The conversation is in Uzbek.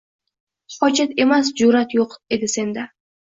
Hojat emas, jur`at yo`q edi senda